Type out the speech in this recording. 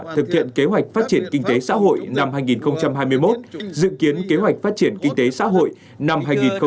thực hiện kế hoạch phát triển kinh tế xã hội năm hai nghìn hai mươi một dự kiến kế hoạch phát triển kinh tế xã hội năm hai nghìn hai mươi